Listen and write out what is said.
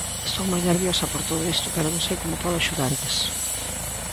Estou moi nerviosa por todo isto pero non sei como podo axudarlles.